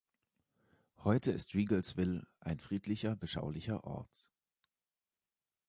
Heute ist Riegelsville ein friedlicher, beschaulicher Ort.